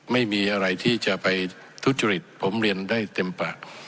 ไม่มีอะไรที่จะไปทุจริตผมเรียนได้เต็มปาก